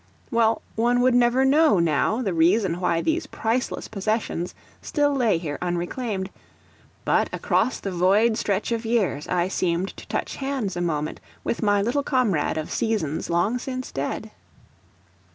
Well, one would never know now the reason why these priceless possessions still lay here unreclaimed; but across the void stretch of years I seemed to touch hands a moment with my little comrade of seasons long since dead.